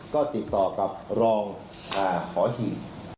ก็ติดต่อกับรองหอหีบ